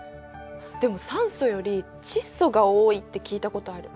でも酸素より窒素が多いって聞いたことある。